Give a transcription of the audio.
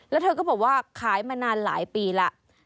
แล้วเธอก็บอกว่าขายมานานหลายปีแล้ว